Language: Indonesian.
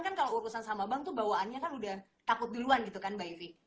kan kalau urusan sama bank tuh bawaannya kan udah takut duluan gitu kan mbak evi